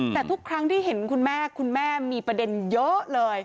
แต่ทุกครั้งที่เห็นคุณแม่คุณแม่มีประเด็นเยอะเลย